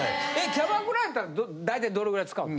キャバクラやったら大体どのぐらい使うの。